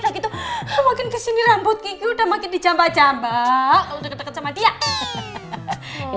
udah gitu makin kesini rambut kiki udah makin di jambah jambah udah keteket sama dia